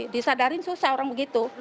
disadarin susah orang begitu